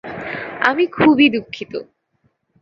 আমি খুবই দুঃখিত।